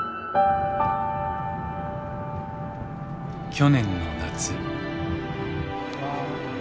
去年の夏。